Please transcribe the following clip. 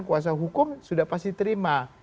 kuasa hukum sudah pasti terima